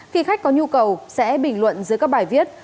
khi khách có nhu cầu sẽ bình luận dưới các bài viết